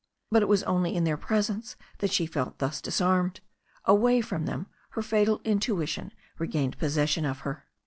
But it was only in their presence that she felt thus disarmed. Away from them her fatal intuition regained possession of her.